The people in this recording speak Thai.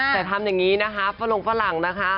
แต่ทำอย่างนี้นะคะฝรงฝรั่งนะคะ